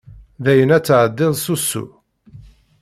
Dayen ad tɛeddiḍ s usu?